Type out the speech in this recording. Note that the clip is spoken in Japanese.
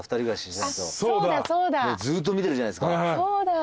ずっと見てるじゃないですか。